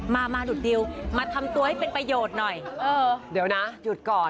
มาดูดดิวมาทำตัวให้เป็นประโยชน์หน่อย